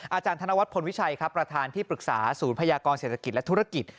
อาจารย์ธนวัฒนพลวิชัยครับประธานที่ปรึกษาศูนย์พยากรเศรษฐกิจและธุรกิจ